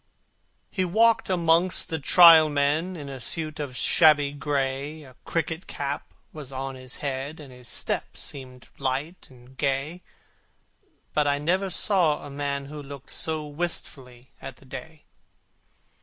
He walked amongst the Trial Men In a suit of shabby gray; A cricket cap was on his head, And his step seemed light and gay; But I never saw a man who looked So wistfully at the day.